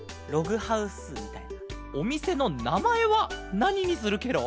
おみせのなまえはなににするケロ？